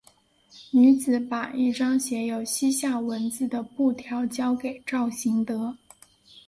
女子把一张写有西夏文字的布条交给赵行德。